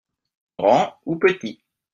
Grand ou petit.